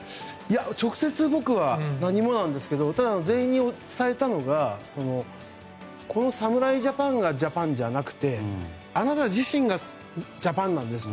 直接、僕は何もですがただ全員に伝えたのは、この侍ジャパンがジャパンじゃなくてあなた自身がジャパンなんですって。